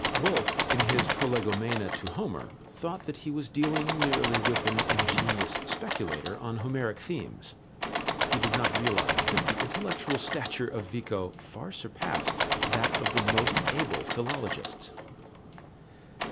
Wolf, in his prolegomena to Homer, thought that he was dealing merely with an ingenious speculator on Homeric themes. He did not realize that the intellectual stature of Vico far surpassed that of the most able philologists.